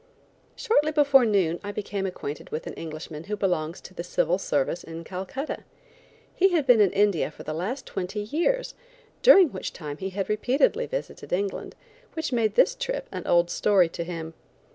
Shortly before noon I became acquainted with an Englishman who belongs to the Civil Service in Calcutta. He had been in India for the last twenty years, during which time he had repeatedly visited England, which made this trip an old story to him.